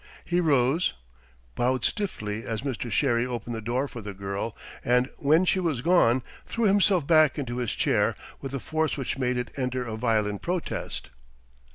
He rose, bowed stiffly as Mr. Sherry opened the door for the girl, and when she was gone threw himself back into his chair with a force which made it enter a violent protest.